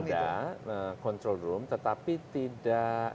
ada control room tetapi tidak